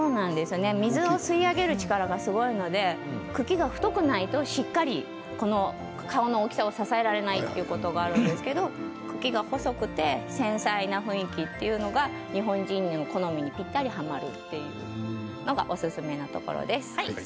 水を吸い上げる力が強いので茎が太くないと顔の大きさを支えられないというのがあるんですが茎が細くて繊細な雰囲気というのが日本人の好みにぴったりはまるというのがおすすめなところです。